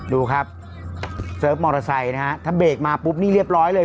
ดูครับเสิร์ฟมอเตอร์ไซค์นะฮะถ้าเบรกมาปุ๊บนี่เรียบร้อยเลย